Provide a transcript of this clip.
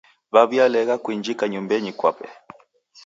Waw'ialegha kuinjika nyumbenyi kwape.